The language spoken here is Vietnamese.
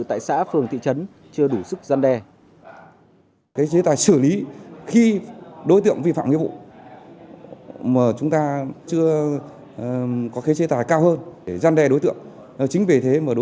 tại xã phường thị trấn chưa đủ sức gian đe